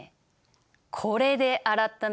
これで洗ったね？